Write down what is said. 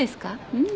うん。